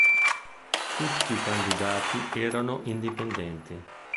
Tutti i candidati erano indipendenti.